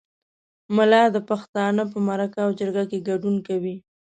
ملا د پښتانه په مرکه او جرګه کې ګډون کوي.